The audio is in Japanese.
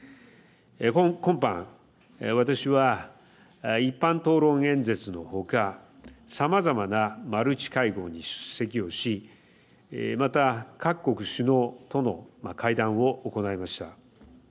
今般私は、一般討論演説のほかさまざまなマルチ会合に出席をしまた各国首脳との会談を行いました。